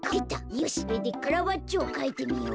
よしこれでカラバッチョをかいてみよう。